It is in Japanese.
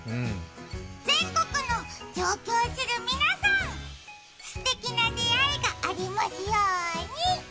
全国の上京する皆さん、すてきな出会いがありますように。